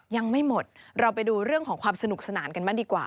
ยังไม่หมดเราไปดูเรื่องของความสนุกสนานกันบ้างดีกว่า